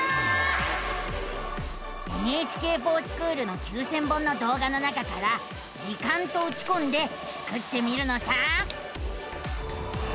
「ＮＨＫｆｏｒＳｃｈｏｏｌ」の９，０００本のどう画の中から「時間」とうちこんでスクってみるのさ！